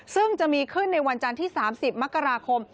ซึ่งจะมีขึ้นในวันจันทร์ที่๓๐มกราคม